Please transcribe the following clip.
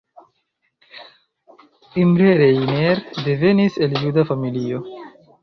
Imre Reiner devenis el juda familio.